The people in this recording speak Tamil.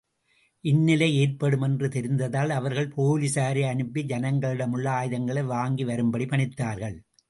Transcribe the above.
இந்நிலை ஏற்படும் என்று தெரிந்ததால் அவர்கள் போலிஸாரை அனுப்பி ஜனங்களிடமுள்ள ஆயுதங்களை வாங்கி வரும்படி பணித்தார்கள்.